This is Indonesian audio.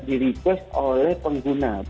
di request oleh pengguna